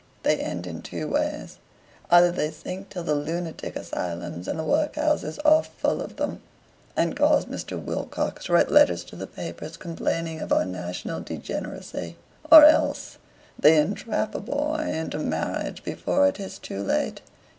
"They end in two ways: Either they sink till the lunatic asylums and the workhouses are full of them, and cause Mr. Wilcox to write letters to the papers complaining of our national degeneracy, or else they entrap a boy into marriage before it is too late.